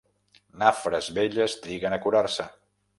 Nafres velles triguen a curar-se.